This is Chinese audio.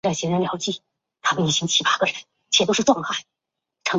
伯利兹政府开设了灾害应变中心并疏散了多家医院。